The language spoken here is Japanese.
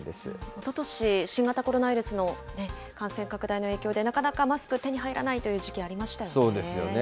おととし、新型コロナウイルスの感染拡大の影響で、なかなかマスク手に入らないという時期ありましたよね。